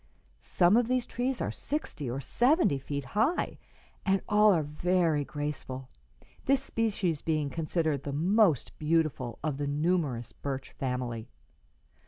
Some of these trees are sixty or seventy feet high, and all are very graceful, this species being considered the most beautiful of the numerous birch family.